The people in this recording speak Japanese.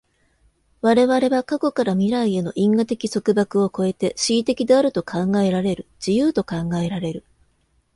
我々は過去から未来への因果的束縛を越えて思惟的であると考えられる、自由と考えられる。